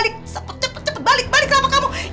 tidak ada kelapa kamu